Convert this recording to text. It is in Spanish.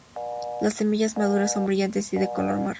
Las semillas maduras son brillantes y de color marrón.